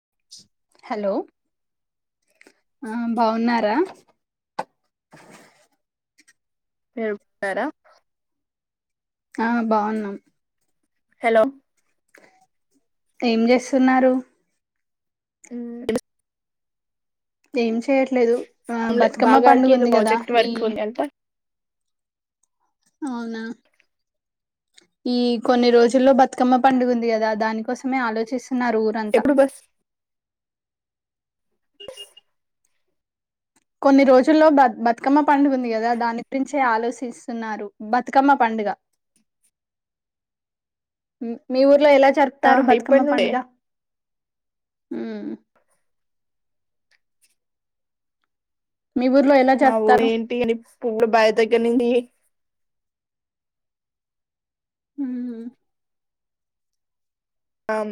[unintelligible] Hello ఆ బావున్నారా. [unintelligible] [inaudible] ఆ బాగున్నాం హలో ఏం చేస్తున్నారు ఉమ్ ఏం చెయట్లేదు ఆ బతుకమ్మ బాగారికి పండుగ ఏదో ఉంది కదా ప్రాజెక్ట్ ఈ వర్క్ ఉంది అంట అవునా ఈ కొన్ని రోజుల్లో బతుకమ్మ పండుగ ఉంది కదా దానికోసమే ఆలోచిస్ న్నారు ఊరంతా ఎప్పుడు బస్ కొన్ని రోజుల్లో బ బతుకమ్మ పండుగ ఉంది కదా దాని గురించి ఆలోచిస్తున్నారు బతుకమ్మ పం పండు గా మ్ మీ ఊర్లో ఎలా ఆ జరుపుతారు బతుకమ్మ ఇప్పటి నుండే పండుగ ఉమ్ మీ ఊర్లో ఎలా మా ఊరు జరుపుతారు ఏంటి అని పువ్వులు బైయ్ దగ్గర నుంచి ఉహు ఆమ్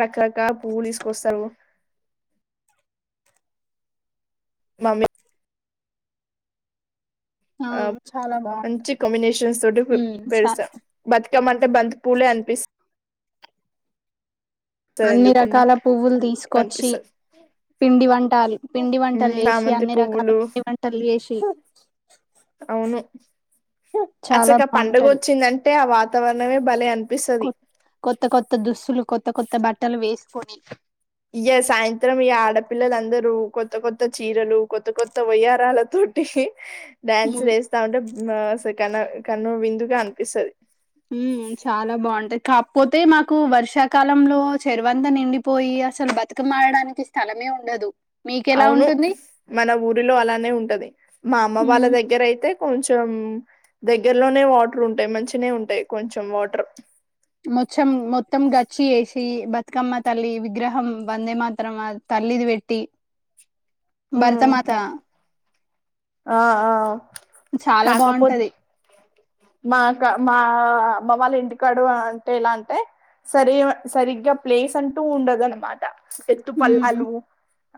రకరకల పువ్వు తీసుకొస్తారు మమ్మి ఆ చాలు మంచి కాంబినేషన్స్ తోటి పెరుస్తా చాలా బతుకమ్మ అంటే బంతి పూలే అనిపిస్త అన్ని ఎందుకు రకాల పువ్వులు తీసుకొచ్చి.. అనిపిస్తుంది పిండి వంటాలు పిండి వంటలు చేసి చామంతి అన్ని రకాల పువ్వులు పిండి వంటలు చేసి అవును చాలా అసలకి ఆ పండగ బాగుంటది వచ్చిందంటే ఆ వాతావరణమే భలే అనిపిస్తది కొత్త కొత్త దుస్తులు కొత్త కొత్త బట్టలు వేసుకోని ఇగా సాయంత్రం ఇగ ఆడపిల్లలందరూ కొత్త కొత్త చీరలు కొత్త కొత్త వయ్యరాలతో టిహి డ్యాన్స్ వేస్తా ఉంటే సె కన్నా కన్నుల విందుగా అనిపిస్తది ఉమ్ చాలా బాగుంటా పోతే మాకు వర్షాకాలంలో చెరువంత నిండిపోయి అసలు బతుకమ్మ అడడానికి స్థలమే ఉండదు. మీకెలా అవును ఉంటుంది మన ఊరిలో అలానే ఉంటది. మా అమ్మ వాళ్ళ ఉమ్ దగ్గర అయితే కొంచెం దగ్గరలోనే వాటర్ ఉంటాయి. మంచిగానే ఉంటాయి. కొంచెం వాటర్ మొచ్చం మొత్తం గచ్చు చేసి బత్ తుకమ్మ తల్లి విగ్రహం వందే మాతరం తల్లిది పెట్టి భారత ఉమ్, మాత ఆ ఆ చాలా కాకపోతే బాగుంటది. మా క మా అమ్మ వాళ్ళ ఇంటికాడు అంటే ఎలా అంటే సరి సరిగ్గా ప్లేస్ అంటూ ఉండదు అన్నమాట ఉమ్ ఎత్తుపల్లాలు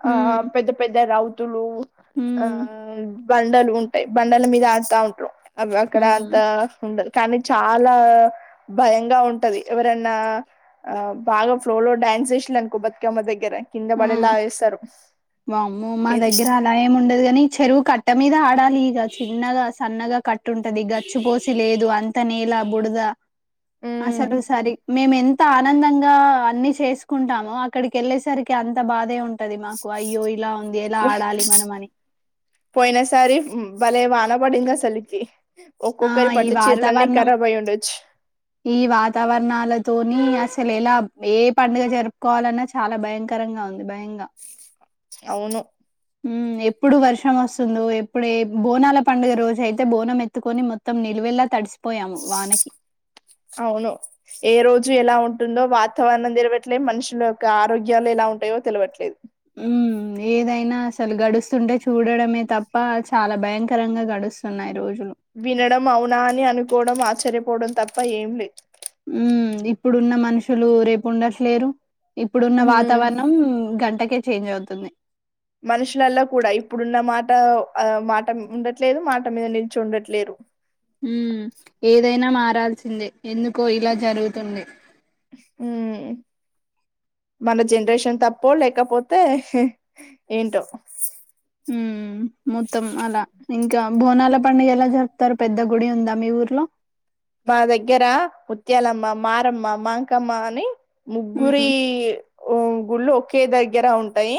ఆ ఉమ్ పెద్ద పెద్ద రౌతులు ఆ ఉమ్ బండలు ఉంటాయి. బండల మీద ఆడుతా ఉంటారు. అవి అక్కడ ఉమ్ ఆ ఉండదు కానీ చాలా భయంగా ఉంటది. ఎవరన్నా ఆ బాగా ఫ్లోలో డ్యాన్స్ చేసిల్లు అనుకో బతికమ్మ దగ్గర కింద ఉమ్ పడేలా ఎస్తారు వామ్మో మా దగ్గర అలా ఏమి ఉండదు. కాని చెరువు కా కట్ట మీద ఆడాలి. ఇక చిన్నగా సన్నగా కట్ట ఉంటది గచ్చిపోసి లేదు అంత నేల బుడ దా అసలు సరి మేము ఎంత ఆనందంగా అన్ని చేసుకుంటామో అక్కడికి వెళ్ళేసరికి అంత బాధే ఉంటంది మనం అని పోయినసారి ఉం బలేవాన పడింది అసలికి ఆ ఒక్కొక్కరి ఈ పట్టు చీరలన్నీ వాతావరణం ఖరాబ్ అయి ఉండొచ్చు ఈ వాతావరణాలతోని అస్ అసలు ఎలా ఏ పండుగ జరుపుకోవాలన్నా చాలా భయంకరంగా ఉంది భయంగా అవును ఎప్పుడు వర్షం వస్తుందో ఎప్పుడు ఏబోనాల పండుగ రోజు అయితే బోనం ఎతు కొన్ని మొత్తం నిల్లువల్లా తడిసి అవును ఏ రోజు ఎలా ఉంట ఉంటుందో వాతావరణం తెలవట్లేదు మనుషుల యొక్క ఆరోగ్యాలు ఎలా ఉంటాయో తెలియట్లేదు హ్మ్మ్ ఏదైనా అసలు గడుస్తుంటే చూడడమే తప్ప చాలా భయంకరంగా గడుస్తున్నాయి. రోజు వినడం అవునా అని అనుకోవడం ఆశ్చర్యపోవడం తప్ప ఏం లేదు ఉ ఇప్పుడున్న మనుషులు రేపు ఉండట్లేరు ఇప్పుడున్న హ్మ్ వాతావరణం గంటకే చేంజ్ అవుతుంది. మనుషులలో కూడా ఇప్పుడున్న మాట ఆ మాట ఉండట్లేదు మాట మీద నిలిచి ఉండట్లేదు ఉ ఏదైనా మారాల్సిందే ఎందుకో ఇలా జరుగుతుంది హ్మ్ మన జనరేషన్ తప్ప లేకపోతే ఏంటో ఉ మొత్తం అలా ఇంకా బోనాల పండుడిగ ఎలా జరుపుతారు పెద్ద గుడి ఉందా మీ ఊర్లో మా దగ్గర ముత్యాలమ్మ మారమ్మ మాంకమ్మ అని ముగ్గురి హ్మ్. గుళ్ళు ఒకే దగ్గర ఉంటాయి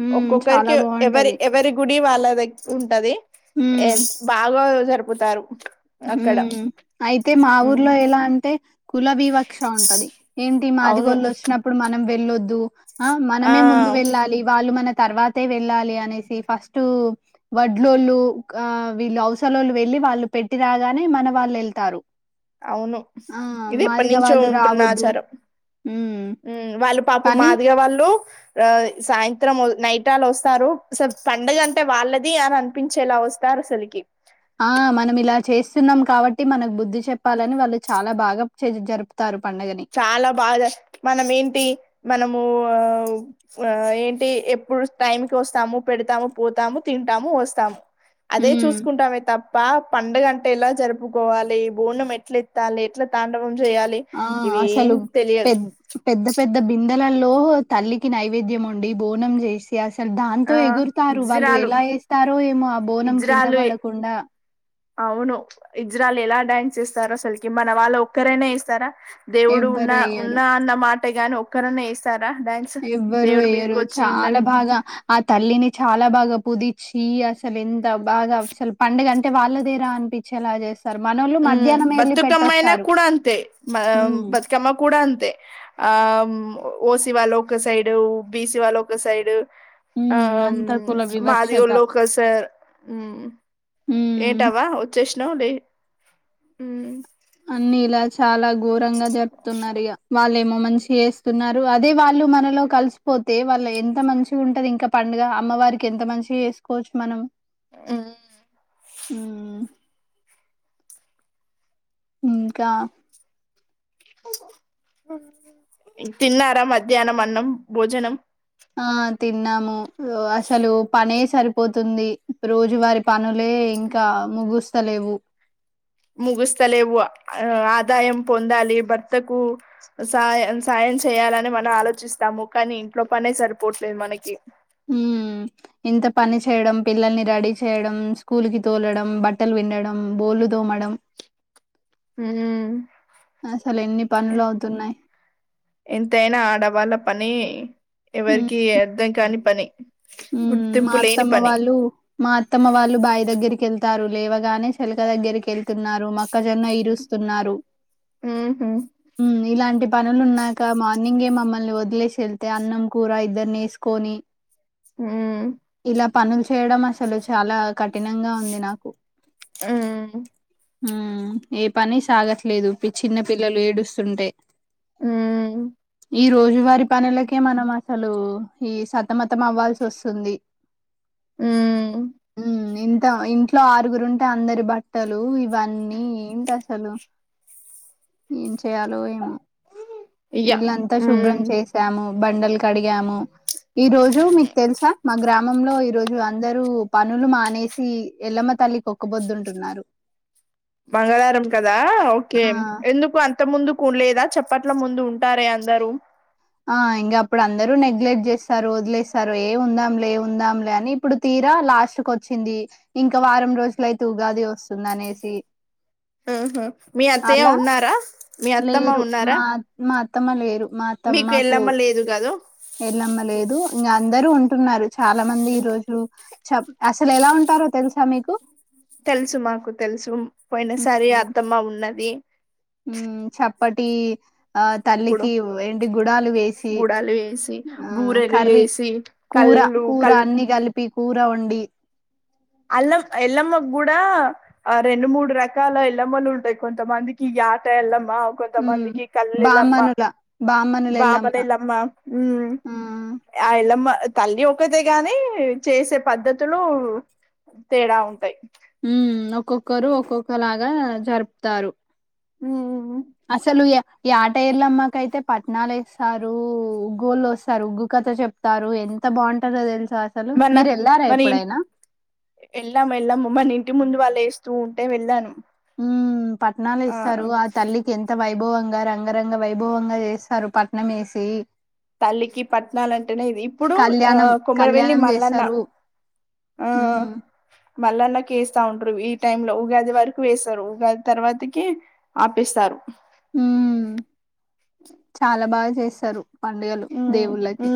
హ్మ్. చాలా ఒక్కొక్కరికి ఎవరి బావుంటది. ఎవరి గుడి వాళ్ళ దగ్గ ఉంటది ఏ హ్మ్. బాగా జరుపుతారు అక్కడ హ్మ్. అయితే మా హ్మ్. ఊర్లో ఎలా అంటే కుల వివక్ష ఉంటది ఏంటి అవును మాదిగోళ్ళు వచ్చినప్పుడు మనం వెళ్ళొద్దు ఆ మనమే ముందు వెళ్ళాలి వాళ్ళు మన తర్వాతే వెళ్ళాలి అనేసి ఫస్ట్ వడ్లోళ్ళు ఆ వీళ్ళు అవసలోళ్ళు వెళ్ళి వాళ్ళు పెట్టి రాగానే మన వాళ్ళు వెళ్తారు అవును ఇది ఎప్పటి నుంచో వాళ్ళు ఉంటున్న రావద్దు. ఆచారం హ్మ్. వాళ్ళు పాప కానీ మాదిగా వాళ్ళు ఆ సాయంత్రం నైటాలు వస్తారు స పండుగ అంటే వాళ్ళది అని అనిపించేలా వస్తారు లికి ఆ! మనమిలా చేస్తున్నాం కాబట్టి మనకు బుద్ధి చెప్పాలని వాళ్ళు చాలా బాగా జరుపుతారు పండగని. చాలా బాగా మనం ఏంటి మనము ఆ ఆ ఏంటి ఎప్పుడు టైంకిి వస్తాము పెడతాము పోతాము తింటాము వస్తాము అదే హ్మ్. చూసుకుంటామే తప్పు తప్ప పండుగంటే ఎలా జరుపుకోవాలి బోనం ఎట్ల ఎత్తాలి ఎట్లా తాండవం చేయాలి ఆ ఇవి ఏం అసలు పె తెలియదు పెద్ద పెద్ద బి కండలల్లో తల్లికి నైవేద్యం ఉండి బోనం చేసి అ అసలు దాంతో ఆ ఎగురుతారు వాళ్ళు ఎలా వేస్తారో ఏమో బోనం కింద ఇజ్రాలుే పడకుండా అవును ఇజ్రాల్ వాళ్ళు ఎలా డ్యాన్స్ ఏస్తారు అసలుకి మన వాళ్ళ ఒక్కరైనా ఏస్తారా దేవుడు ఎవ్వరు ఉన్నా వేయరు ఉన్నా అన్నమాటే గాని ఒక్కరినే వేస్తారు ఎవ్వరు ఎయరు చాలా బాగా ఆ తల్లిని చాలా బాగా పుజీచ్చి అసలు ఎంత బాగా అసలు పండడుగ అంటే వాళ్ళదేరా అనిపించి అలా చేస్త ఉ బతుకమ్మయినా కూడా అంతే మ ఉమ్ బతుకమ్మ కూడా అంతే ఆ ఓసి వాళ్ళ ఒక సైడ్ బీసి వాళ్ళ ఒక సైడ్ ఆ ఉమ్ అంత కుల వివక్షత మాదిగోళ్ళు ఒక సార్ ఉమ్ ఏంటవా వచ్చేసినావు లే అన్ని ఇలా చాలా ఘోరంగా జరుపుతున్నారు ఇక వాళ్ళేమో మంచి వస్తున్నారు అదే వాళ్ళు మనలో కలిసిపోతే వాళ్ళ ఎంత మంచి ఉంటంది ఇంకా పండుగ అమ్మ వారికి ఎంత మంచిగా వేసుకోవచ్చు మనం ఆ మ్మ్ ఇంకా తిన్నారా మధ్యాహ్నం అన్నం భోజనం ఆ తిన్నాము అసలు పనే సరిపోతుంది రోజువారి పను లే ఇంకా ముగుస్తలేవు ముగస్తలేవు ఆదాయం పొందాలి భర్తకు సా సా చేయాలని మనం ఆలోచిస్తాము కానీ ఇంట్లో పనే సరిపోవట్లేదు మనకి ఉ ఇంత పని చేయడం పిల్లల్ని రెడీ చేయడం స్కూల్ కి తోలడం బట్టలు విండడం బోల్లు తోమడం అసలు ఎన్ని పనులు అవుతున్నాయి ఎంతైనా ఆడవాళ్ళ పని ఎవరికి అర్ధం కాని పని ఉ మా గుర్తింపు లేని అత్తమ్మ పని వాళ్ళు మా అత్తమ వాళ్ళు బాయి దగ్గరికి వెళ్తారు లేవగానే చెలక దగ్గరికి వెళ్తున్నారు మక్కజొన్న ఇరుస్తున్నారు ఆ హ ఇన్ని పనులున్నాక మార్నింగే మమ్మల్ని వదిలేసి వెళ్తే అన్నం కూర ఇద్దరిని వేసుకొని హూ ఇలా పనులు చేయడం అసలు చాలా కఠినంగా ఉంది నాకు హూ ఏ పని సాగట్లేదు చిన్న పిల్లలు ఏడుస్తుంటే ఉమ్ ఈ రోజువారి పనులకే మనం అసలు ఈ సతమతం అవలీ ల్సి వస్తుంది ఊ ఊ ఇంట్లో ఆరుగురుంటే అందరి బట్టలు ఇవన్నీ ఏంటి అసలు ఏం చేయాలో ఏమో యా ఇల్లంతా ఊ శుభ్రం చేసాము బండలు కడిగాము ఈ రోజు మీకు తెలుసా మా గ్రామ గ్రామంలో ఈరోజు అందరు పనులు మానేసి ఎల్లమ్మ తల్లికి ఒక పోద్దుంటున్నారు మంగళారం కదా ఓకే ఆ ఎందుకు అంత ముందుకు లేదా చెప్ప అట్ల ముందు ఉంటారే అందరూ ఆ ఇంకా అప్పుడు అందరు నెగ్లెక్ట్ చేస్తారు వదిలేస్తారు ఏ ఉందాంలే ఉందాంలే అని ఇప్పుడు తీరు గా లాస్ట్ కి వచ్చింది ఇంకా వారం రోజులయితే ఉగాది వస్తుంది అనేసి ఆహా మీ అత్తయ్య అలా ఉన్నారా మీ అత్తమ్మ లేరు మా మా అత్తమ లేరు మా నీకు ఏళ్ళమ్మ లేదు కదు ఎల్ళమ్మలేదు ఇంకా అందరూ ఉంటున్నారు చాలా మంది ఈ రోజు చ అసలు ఎలా ఉంటారో తెలుసా మీకు తెలుసు మాకు తెలుసు పోయిన సారి హ్మ్ అత్తమ్మ ఉన్నది పటి ఆ ఇప్పుడు తల్లికి ఏంటి గుడాలు వేసి గుడాలు వేసి ఆ బూరెలు కర్రీ కూ వేసి కూర కళ్ళు కూర కళ్ళు అన్ని కలిపి కూర వండి అల్లం ఎల్లమ్మకు కూడా ఆ రెండు మూడు రకాల ఎల్లమ్మలు ఉంటాయి కొంతమందికి ఆట ఎల్లమ్మ అ కొంత హ్మ్ మందికి కల్లలేమ్మా బామ్మనుల బామ్మనుల ఎల్లమ్మ బాబాల ఏలమ్మా ఆ ఆ ఏలమ్మా తల్లి ఒకతే గాని చేసే పద్ధతులు తేడా ఉంటాయి ఉ ఒక్కొక్కరు ఒక్కొక్కలాగా జరుపుతారు ఉ అసలు ఏ ఏట ఎల్లమ్మ కి అయితే పట్నాలు ఎస్తారు గొలోస్తారు ఉగ్గు కథ చెప్తారు ఎ అంత బాగుంటుందొ తెలు మన మన వెళ్ళాము వెళ్ళాము మన ఇంటి ముందు వాళ్ళు వేస్త స్తూ ఉంటే వెళ్ళాను పట్టణాలు ఇస్తారు ఆ తల్లికి ఎంత వయ వైభవంగా రంగరంగ వైభవంగా చేస్తారు పట్నం వేసి తల్లికి పట్నాల అంటేనే ఇది ఇప్పుడు ఆ కళ్యాణం, కుమరివెల్లి కళ్యాణం మల్లన్న చేస్తారు. ఆ హ్మ్. మల్లన్న కీ వేస్తారు ఉంటారు ఈ టైమ్ లో ఉగాది వరకు వేస్తారు ఉగాది తర్వాతకి ఆపేస్తారు ఉ చాలా బాగా చేస్తారు పండుగలు మ్ దేవుళ్ళకి.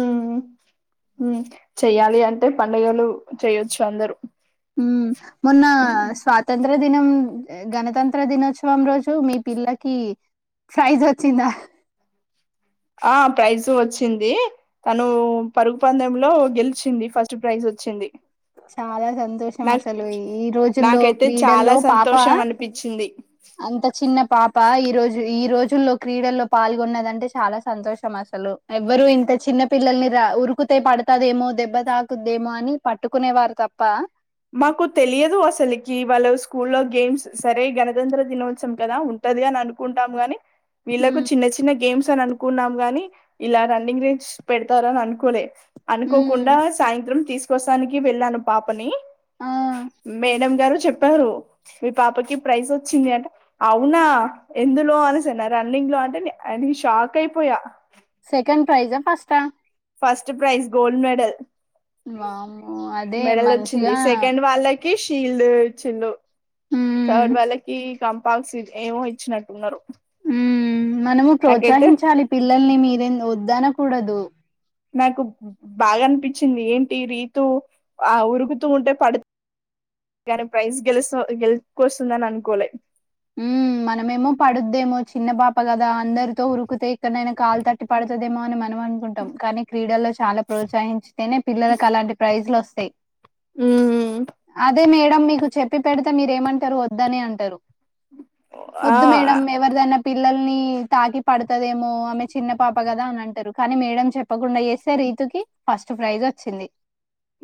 మ్ చెయ్యాలి అంటే అతే పండుగలు చేయొచ్చు అందరు ఉ మొన్న స్వాతంత్ర దినం గణతంత్ర దినోత్సవం రోజు మీ పిల్లకి ప్రైజ్ వచ్చంద ఆ ప్రైజ వచ్చింది తను పరుగు పందెంలో గెలిచింది ఫస్ట్ ప్రైజ్ వి వచ్చింది చాలా సంతోషం నాకు అసలు ఈ రోజుల్లో నాకైతే చాలా క్రీడల్లో పాప సంతోషం అనిపించింది అంత చిన్న పాప ఈరోజు ఈ రోజుల్లో క్రీడల్లో పాల్గొన్నదంటే చాలా సంతోషం అసలు ఎవ్వరు ఇంత చిన్న పిల్లల్ని రా ఉరికుతే పడుతదేమో దెబ్బ తాకుద్దేమో అని పట్టుకునేవారు తప్ప మాకు తెలియదు అసలకి వాళ్ళు స్కూల్లో గేమ్స్ సరే గణతంత్ర దినోత్సవం కదా ఉంట అనుకుంటాం గాని వీళ్ళకు ఉమ్ చిన్న చిన్న గేమ్స్ అని అ అనుకున్నాం గాని ఇలా రన్నింగ్ రేంజ్ పెడతారుని అనుకోలే ఉమ్ అనుకోకుండా సాయంత్రం తీసుకొస్తానికి వెళ్ళాను పాపని ఆ మేడం గారు చెప్పారు మీ పాపకి ప్రైజ్ వచ్చింది అంటె అవునా ఎందులో అనేసన్న రన్నింగ్ లో అంటే అ నేను షాక్ అయిపోయా సెకండ్ ప్రైజా ఫస్టా ఆ ఫస్ట్ ప్రైజ్ గోల్డ్ మెడల్ వామ్మో అదే మెడల్ వచ్చింది మంచిగా సెకండ్ వాళ్ళ షీల్డ్ ఇచ్చిన్రు థర్డ్ ఉమ్ వాళ్ళకి కం [unintelligible] ఏమో ఇచ్చినట్టున్నారు ఉ మనము నాకైతే ప్రోత్సహించాలి పిల్లల్ని మీరే వద్దనకూడదు నాకు బాగా అనిపించింది ఏంటి రీతు ఆ ఉరుకుతూ ఉంటే పడుతు కానీ ప్రైజ్ గెలుచ గెలుచూకొస్తుందని అనుకోలే ఉ మనమేమో పడుద్దేమో చిన్న పాప కదా అందరితో ఉరుకితే ఎక్కడనైనా కాలు తట్టి పడుతుదేమో అని మనం అనుకుంటాం కానీ క్రీడల్లో చాలా ప్రోత్సహించ వస్తేనే పిల్లలకి అలాంటి ప్రైజలు వస్ ఉమ్ అదే మేడం మీకు చెప్పి పెడితే మీరేమంటారు వద్దని అంటారు ఆ వద్దు మేడం ఎవరిదైనా పి పిల్లల్ని తాకి పడుతదేమో ఆమె చిన్న పాప కదా అని అంటారు కానీ మేడం చెప్పకుండా చేస్తారు ఇ రీతూ కీ ఫస్ట్ ప్రైజ్ వచ్చింది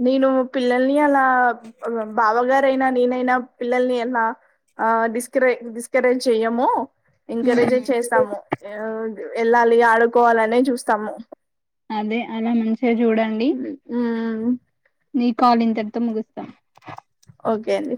నేను పిల్లల్ని అలా బావ గారు అయినా నేనైనా పిల్లల్ని ఎ డిస్కరే డిస్కరేజ్ చెయ్యమ ఎంకరేజ్ హ్మ్. చేస్తాము వెళ్ళాలి ఆడుకోవాలి అనే చూస్తాము అదే అలా మంచిగా చూడండి నీ కాల్ ఇంతటితో ముగిస్తాం. ఓకే అండి